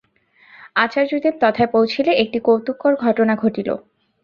আচার্যদেব তথায় পৌঁছিলে একটি কৌতুককর ঘটনা ঘটিল।